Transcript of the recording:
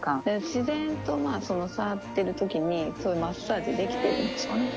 自然と、触ってるときに、そういうマッサージできてるんですよね。